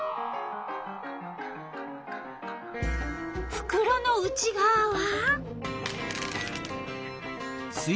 ふくろの内がわは？